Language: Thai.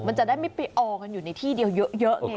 มันจะได้ไม่ไปออกันอยู่ในที่เดียวเยอะไง